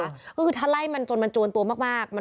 ก็คือถ้าไล่มันจนมันจวนตัวมาก